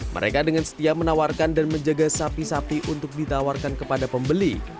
mereka dengan setia menawarkan dan menjaga sapi sapi untuk ditawarkan kepada pembeli